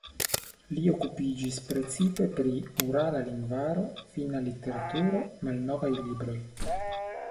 Li okupiĝis precipe pri urala lingvaro, finna literaturo, malnovaj libroj.